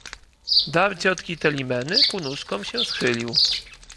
Dar ciotki Telimeny, ku nóżkom się schylił